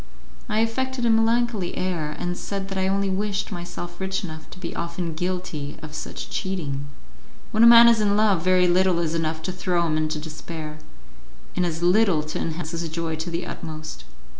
I affected a melancholy air, and said that I only wished myself rich enough to be often guilty of such cheating. When a man is in love very little is enough to throw him into despair, and as little to enhance his joy to the utmost.